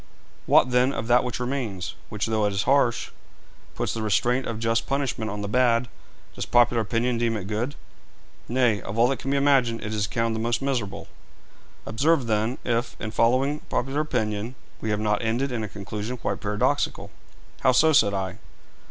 'What, then, of that which remains, which, though it is harsh, puts the restraint of just punishment on the bad does popular opinion deem it good?' 'Nay; of all that can be imagined, it is accounted the most miserable.' 'Observe, then, if, in following popular opinion, we have not ended in a conclusion quite paradoxical.' 'How so?' said I.